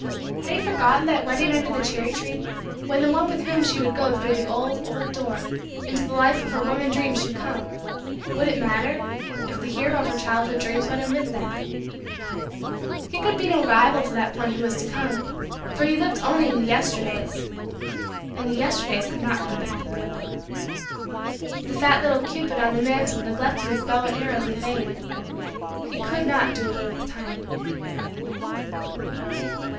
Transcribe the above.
Had he forgotten that wedding under the cherry tree? When the one with whom she would go through the old, old, door into the life of her womanhood dreams should come, would it matter if the hero of her childhood dreams went in with them? He could be no rival to that one who was to come for he lived only in the Yesterdays and the Yesterdays could not come back. The fat little cupid on the mantle neglected his bow and arrows in vain; he could not do away with time.